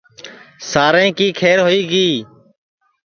ساریں کی کھیر ہوئی گی